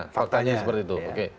faktanya seperti itu